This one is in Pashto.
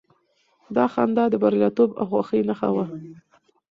دا خندا د برياليتوب او خوښۍ نښه وه.